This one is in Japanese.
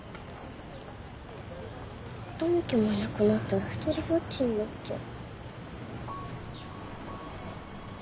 友樹もいなくなったら独りぼっちになっちゃう。